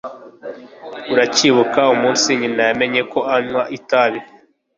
aracyibuka umunsi nyina yamenye ko anywa itabi